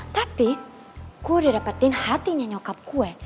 tapi gue udah dapetin hatinya nyokap gue